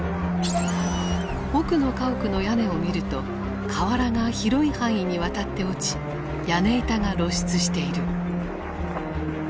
奥の家屋の屋根を見ると瓦が広い範囲にわたって落ち屋根板が露出している。